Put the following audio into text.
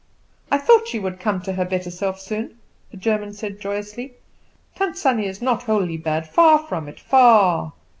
"I thought she would come to her better self soon," the German said joyously. "Tant Sannie is not wholly bad, far from it, far."